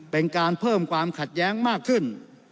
เป็นการเพิ่มความขัดแย้งมากขึ้น